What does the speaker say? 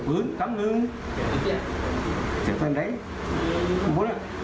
บอกบากเจ็บ